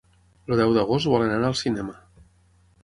El deu d'agost volen anar al cinema.